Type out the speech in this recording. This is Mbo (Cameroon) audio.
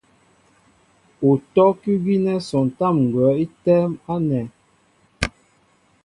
Utɔ́' kʉ́ gínɛ́ sɔntám ŋgwα̌ í tɛ́ɛ́m ánɛ̄.